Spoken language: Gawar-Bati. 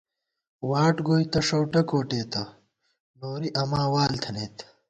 واٹ گوئی تہ ݭؤٹہ کوٹېتہ، نوری اماں وال تھنَئیت